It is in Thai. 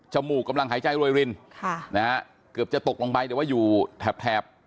มูกกำลังหายใจรวยรินค่ะนะฮะเกือบจะตกลงไปแต่ว่าอยู่แถบ